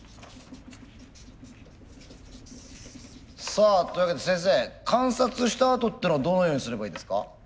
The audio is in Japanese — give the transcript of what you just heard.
さあというわけで先生観察したあとっていうのはどのようにすればいいですか？